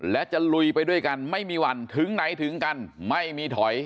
และจะลุยไปด้วยกันไม่มีวันถึงไหนถึงกันไม่มีถอย